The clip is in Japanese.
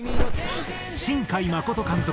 新海誠監督